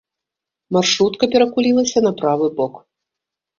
Маршрутка перакулілася на правы бок.